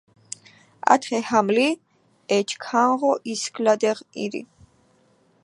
ათხე ჰამ ლი, ეჩქანღო ისგლადეღ ირი.